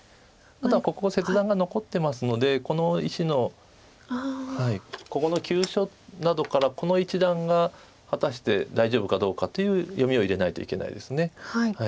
あとはここの切断が残ってますのでこの石のここの急所などからこの一団が果たして大丈夫かどうかという読みを入れないといけないです。